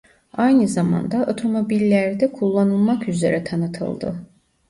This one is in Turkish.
Aynı zamanda otomobillerde kullanılmak üzere tanıtıldı.